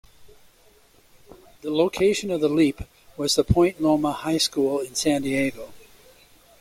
The location of the "leap" was the Point Loma High School in San Diego.